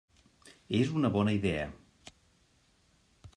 És una bona idea.